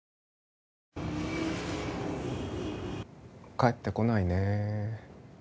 帰ってこないね。